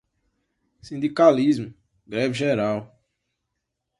Sindicalismo, greve geral